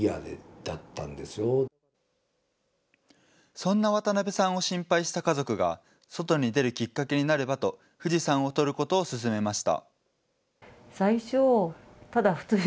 そんな渡辺さんを心配した家族が、外に出るきっかけになればと、富士山を撮ることを勧めました。